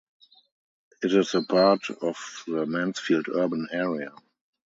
It is a part of the Mansfield Urban Area.